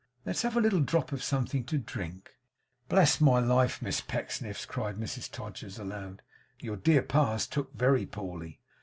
Let's have a little drop of something to drink.' 'Bless my life, Miss Pecksniffs!' cried Mrs Todgers, aloud, 'your dear pa's took very poorly!